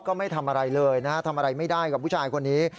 ไม่ทำอะไรเลยนะฮะทำอะไรไม่ได้กับผู้ชายคนนี้